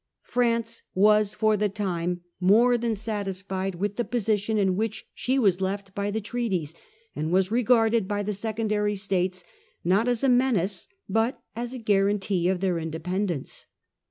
France was for the time more than satisfied with the position in which she was left by the treaties, and was regarded by the secondary states not as a menace, but as a guarantee of their inde pendence.